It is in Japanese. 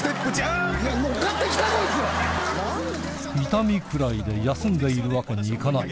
「痛みくらいで休んでいるわけにいかない」